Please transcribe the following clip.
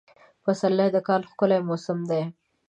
پسرلی د کال ښکلی موسم دی.